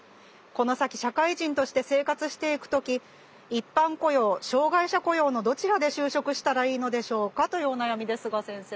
この先社会人として生活していく時一般雇用障害者雇用のどちらで就職したらいいのでしょうか？」というお悩みですが先生。